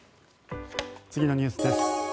次のニュースです。